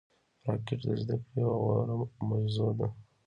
راکټ د زده کړې یوه غوره موضوع ده